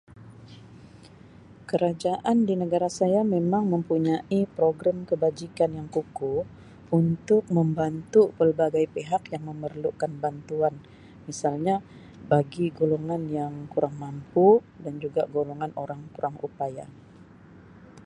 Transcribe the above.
Kerajaan di negara saya memang mempunyai program kebajikan yang kukuh untuk membantu pelbagai pihak yang memerlukan bantuan misalnya bagi golongan yang kurang mampu dan juga golongan orang kurang upaya.